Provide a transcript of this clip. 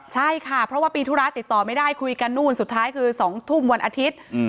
ใช่ค่ะเพราะว่าปีธุระติดต่อไม่ได้คุยกันนู่นสุดท้ายคือ๒ทุ่มวันอาทิตย์